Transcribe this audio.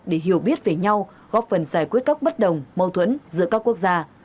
để hiểu biết về nhau góp phần giải quyết các bất đồng mâu thuẫn giữa các quốc gia